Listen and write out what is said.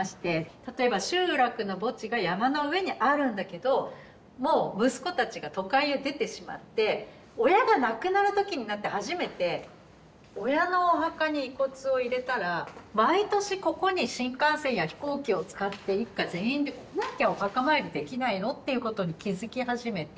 例えば集落の墓地が山の上にあるんだけどもう息子たちが都会へ出てしまって親が亡くなる時になって初めて親のお墓に遺骨を入れたら毎年ここに新幹線や飛行機を使って一家全員で来なきゃお墓参りできないの？っていうことに気付き始めて。